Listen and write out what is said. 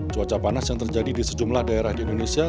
cuaca panas yang terjadi di sejumlah daerah di indonesia